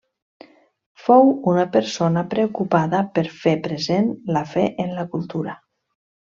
Fou una persona preocupada per fer present la fe en la cultura.